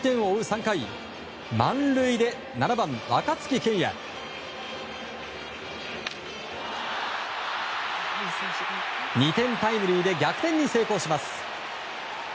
３回、満塁で７番、若月健矢２点タイムリーで逆転に成功します。